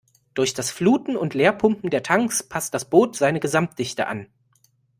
Durch das Fluten und Leerpumpen der Tanks passt das Boot seine Gesamtdichte an.